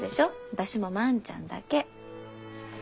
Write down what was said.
私も万ちゃんだけ。